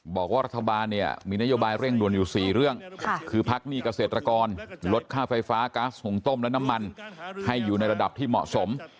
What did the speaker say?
บอกว่ารัฐบาลเนี่ยมีนโยบายเร่งด่วนอยู่๔เรื่องคือพักหนี้เกษตรกรลดค่าไฟฟ้าก๊าซหุงต้มและน้ำมันให้อยู่ในระดับที่เหมาะสม